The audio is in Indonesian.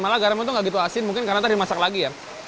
malah garam itu nggak gitu asin mungkin karena tadi masak lagi ya